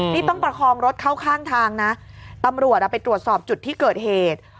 นี่ต้องประคองรถเข้าข้างทางนะตำรวจไปตรวจสอบจุดที่เกิดเหตุ